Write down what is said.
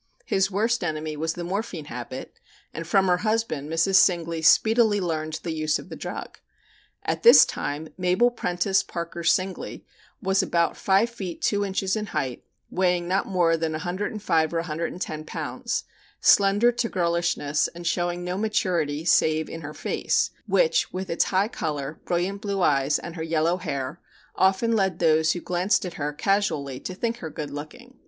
His worst enemy was the morphine habit and from her husband Mrs. Singley speedily learned the use of the drug. At this time Mabel Prentice Parker Singley was about five feet two inches in height, weighing not more than 105 or 110 pounds, slender to girlishness and showing no maturity save in her face, which, with its high color, brilliant blue eyes, and her yellow hair, often led those who glanced at her casually to think her good looking.